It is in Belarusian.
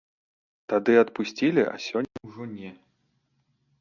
Тады адпусцілі, а сёння ўжо не.